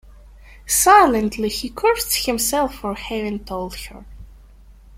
Silently he cursed himself for having told her.